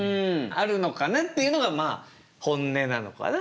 「あるのかな」っていうのがまあ本音なのかな。